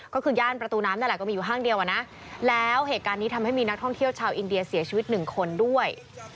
ก็คือย่านประตูน้ำนั่นแหละก็มีอยู่ห้างเดียวอ่ะนะแล้วเหตุการณ์นี้ทำให้มีนักท่องเที่ยวชาวอินเดียเสียชีวิตหนึ่งคนด้วย